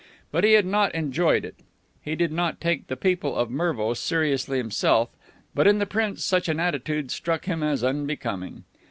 But he had not enjoyed it. He did not take the people of Mervo seriously himself, but in the Prince such an attitude struck him as unbecoming.